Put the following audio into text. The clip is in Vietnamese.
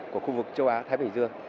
của khu vực châu á thái bình dương